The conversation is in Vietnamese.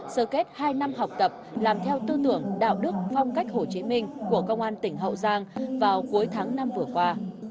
sơ kết hai năm học tập làm theo tư tưởng đạo đức phong cách hồ chí minh của công an tỉnh hậu giang vào cuối tháng năm vừa qua